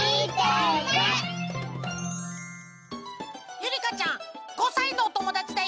ゆりかちゃん５さいのおともだちだよ。